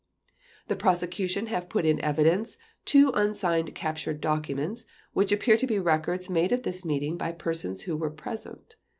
The Prosecution have put in evidence two unsigned captured documents which appear to be records made of this meeting by persons who were present.